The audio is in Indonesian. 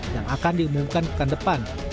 yang akan diumumkan pekan depan